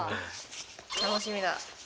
楽しみだ。